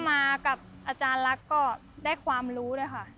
มากับอาจารย์ลักษณ์ก็ได้ความรู้เลยค่ะ